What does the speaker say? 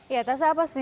ya tessa apa sih